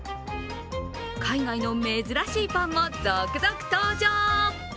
海外の珍しいパンも続々登場！